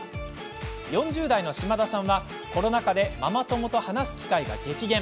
４０代の島田さんはコロナ禍でママ友と話す機会が激減。